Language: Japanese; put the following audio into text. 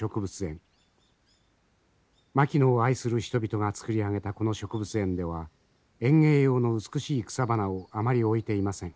牧野を愛する人々が作り上げたこの植物園では園芸用の美しい草花をあまり置いていません。